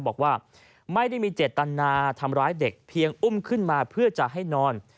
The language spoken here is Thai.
บอกว่าไม่ได้มีเจตนาทำร้ายเด็กเพียงอุ้มขึ้นมาเพื่อจะให้นอน